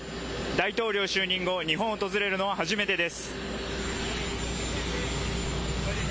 大統領就任後、日本を訪れるのは初めてです。